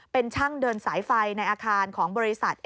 เป็นช่างเดินสายไฟในอาคารของบริษัท